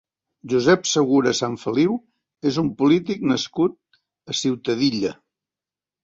Josep Segura Sanfeliu és un polític nascut a Ciutadilla.